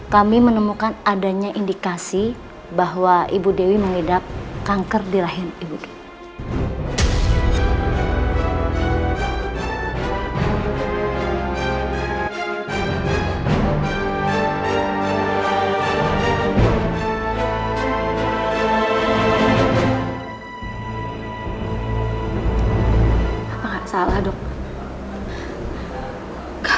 kami menemukan adanya indikasi bahwa ibu dewi mengidap kanker di rahim ibu dewi